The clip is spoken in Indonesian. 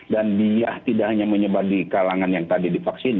dan dia tidak hanya menyebabkan kalangan yang tadi divaksin